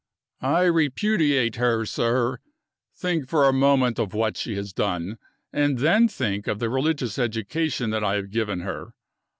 "I repudiate her, sir! Think for a moment of what she has done and then think of the religious education that I have given her.